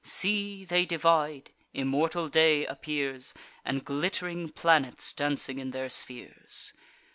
See, they divide; immortal day appears, And glitt'ring planets dancing in their spheres!